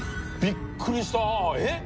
びっくりした！えっ！？